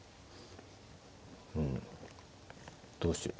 うんどうしよう。